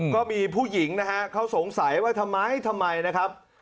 ก็มีผู้หญิงนะฮะเขาสงสัยว่าทำไมทำไมนะครับ